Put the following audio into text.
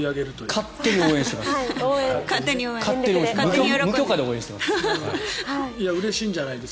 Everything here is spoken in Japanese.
勝手に応援します。